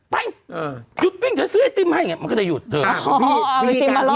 ไปอยู่นี่อยู่เลยแต่เขาหยุดที่มาล่ะ